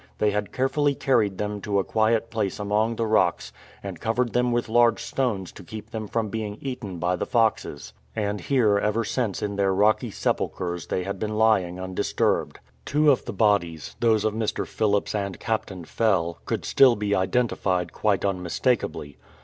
They had carefully carried them to a quiet place among the rocks and covered them with large stones to keep them from being eaten by the foxes: and here ever since in their rocky sepulchres they had been lying undisturbed. Two of the bodies — those of Mr. Phillips and Captain Fell — could still be identified quite unmistakably.